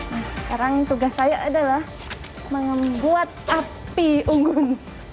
nah sekarang tugas saya adalah membuat api unggun